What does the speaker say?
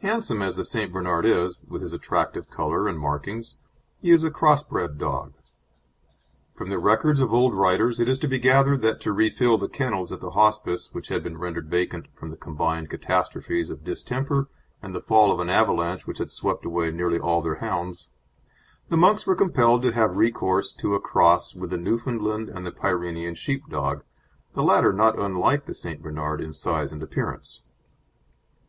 Handsome as the St. Bernard is, with his attractive colour and markings, he is a cross bred dog. From the records of old writers it is to be gathered that to refill the kennels at the Hospice which had been rendered vacant from the combined catastrophes of distemper and the fall of an avalanche which had swept away nearly all their hounds, the monks were compelled to have recourse to a cross with the Newfoundland and the Pyrenean sheepdog, the latter not unlike the St. Bernard in size and appearance.